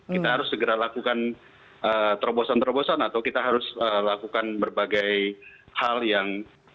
kita harus segera lakukan terobosan terobosan atau kita harus lakukan berbagai hal yang